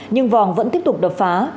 nhưng vòng vẫn tiếp tục đập phá